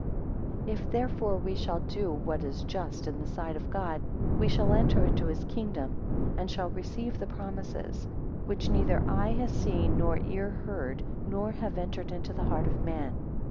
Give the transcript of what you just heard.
14 If, therefore, we shall do what is just in the sight of God we shall enter into his kingdom, and shall receive the promises; Which neither eye has seen, nor ear heard, nor have entered into the heart of man.